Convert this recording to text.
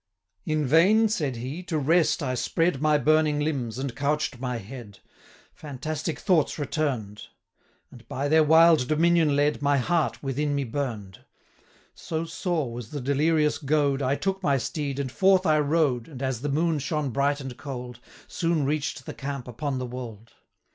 'In vain,' said he, 'to rest I spread My burning limbs, and couch'd my head: Fantastic thoughts return'd; 390 And, by their wild dominion led, My heart within me burn'd. So sore was the delirious goad, I took my steed, and forth I rode, And, as the moon shone bright and cold, 395 Soon reach'd the camp upon the wold.